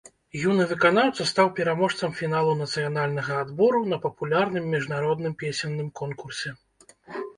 Юны выканаўца стаў пераможцам фіналу нацыянальнага адбору на папулярным міжнародным песенным конкурсе.